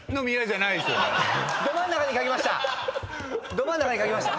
ど真ん中に書きました。